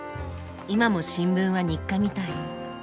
今も新聞は日課みたい。